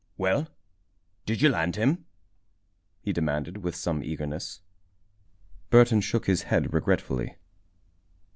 "Well, did you land him?" he demanded, with some eagerness. Burton shook his head regretfully.